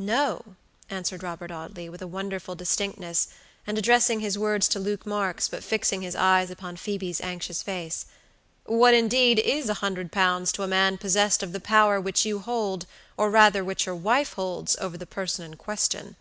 "No," answered Robert Audley, with wonderful distinctness, and addressing his words to Luke Marks, but fixing his eyes upon Phoebe's anxious face. "What, indeed, is a hundred pounds to a man possessed of the power which you hold, or rather which your wife holds, over the person in question."